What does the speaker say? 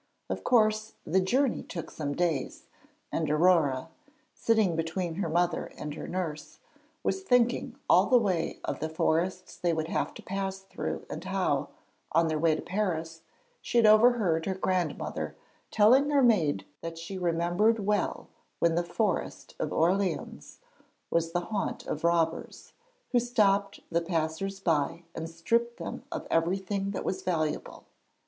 Of course, the journey took some days, and Aurore, sitting between her mother and her nurse, was thinking all the way of the forests they would have to pass through, and how, on their way to Paris, she had overheard her grandmother telling her maid that she remembered well when the Forest of Orleans was the haunt of robbers, who stopped the passers by and stripped them of everything that was valuable.